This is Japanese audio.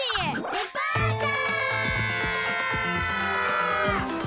デパーチャー！